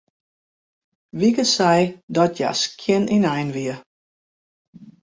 Wieke sei dat hja skjin ynein wie.